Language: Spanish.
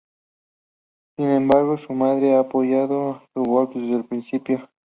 Sin embargo, su madre ha apoyado su golf desde el principio.